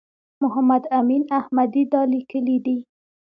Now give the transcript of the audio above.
محمد امین احمدي دا لیکلي دي.